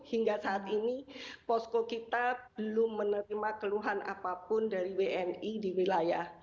hingga saat ini posko kita belum menerima keluhan apapun dari wni di wilayah